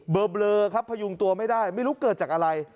เบลอครับพยุงตัวไม่ได้ไม่รู้เกิดจากอะไร